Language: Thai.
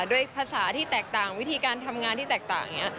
ด้วยภาษาที่แตกต่างวิธีการทำงานที่แตกต่างอย่างนี้